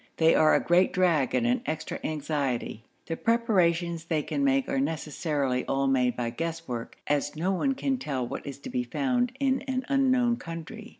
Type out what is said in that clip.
They are a great drag and an extra anxiety. The preparations they can make are necessarily all made by guesswork, as no one can tell what is to be found in an unknown country.